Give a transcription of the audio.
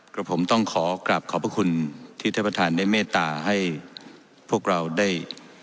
ก็ผมต้องขอกลับขอบพระคุณที่ท่านประธานได้เมตตาให้พวกเราได้